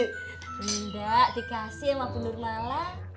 tidak dikasih sama bundur mala